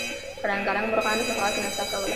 رنګارنګ مرغانو په هوا کې نڅا کوله.